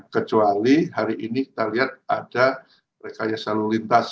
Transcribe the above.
kecuali hari ini kita lihat ada rekayasa lalu lintas